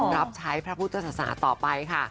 รับใช้พระพุทธศาสนาต่อไปค่ะ